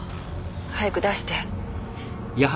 早く出して。